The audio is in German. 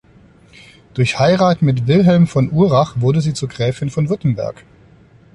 Durch Heirat mit Wilhelm von Urach wurde sie zur Gräfin von Württemberg.